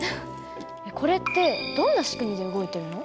これってどんな仕組みで動いてるの？